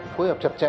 phối hợp chặt chẽ